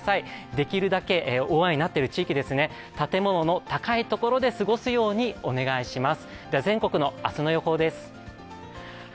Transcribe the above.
できるだけ大雨になっている地域、建物の高いところで過ごすようにお願いします。